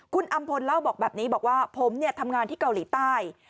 คุณอำพลเล่าบอกแบบนี้บอกว่าผมทำงานที่เกาหลีใต้